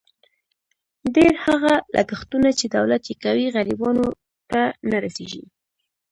ډېر هغه لګښتونه، چې دولت یې کوي، غریبانو ته نه رسېږي.